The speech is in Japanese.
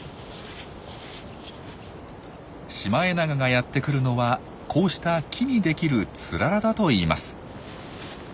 シマエナガがやってくるのはこうした木にできるツララだといいます。